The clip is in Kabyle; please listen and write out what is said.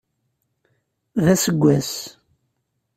D aseggas.